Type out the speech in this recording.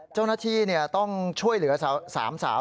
เจ้าหน้าที่ต้องช่วยเหลือ๓สาว